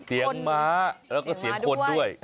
เสียงม้าแล้วก็เสียงคนด้วย